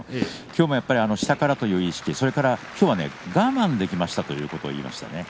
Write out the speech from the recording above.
きょうも下からと言う意識、それからきょうは我慢できましたということを言っていました。